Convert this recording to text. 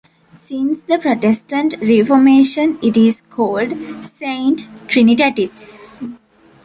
Since the Protestant Reformation it is called Saint Trinitatis.